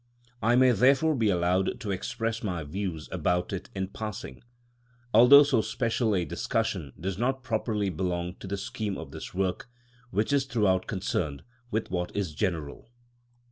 I may therefore be allowed to express my views about it in passing, although so special a discussion does not properly belong to the scheme of this work, which is throughout concerned with what is general.